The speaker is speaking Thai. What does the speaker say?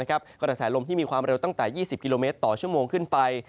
กระแสลมที่มีความเร็วตั้งแต่๒๐กิโลเมตรต่อชั่วโมงขึ้นไป